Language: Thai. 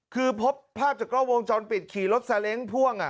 คือพบภาพจากกล้อวงจรปิดขี่รถซาเล้งพ่วง